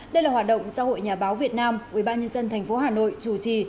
đây là hoạt động do hội nhà báo việt nam ubnd tp hà nội chủ trì